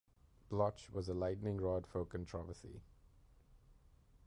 Bloch was a lightning rod for controversy.